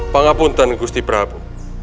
pengabuntan gusti prabu